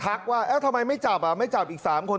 อธักรว่าให้ทำไมไม่จับอ่ะไม่จับอีก๓คน